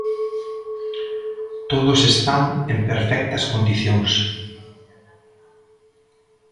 Todos están en perfectas condicións.